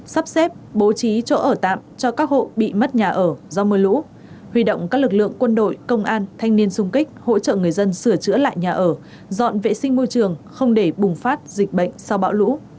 sắp xếp bố trí chỗ ở tạm cho các hộ bị mất nhà ở do mưa lũ huy động các lực lượng quân đội công an thanh niên sung kích hỗ trợ người dân sửa chữa lại nhà ở dọn vệ sinh môi trường không để bùng phát dịch bệnh sau bão lũ